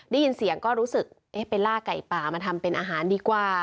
ได้ยินเสียงก็รู้สึกเอ๊ะไปล่าไก่ป่ามาทำเป็นอาหารดีกว่า